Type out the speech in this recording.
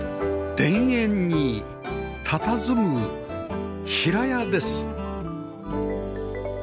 田園にたたずむ平屋です